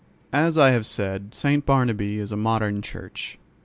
As I have said, St. Barnabķ is a modern church.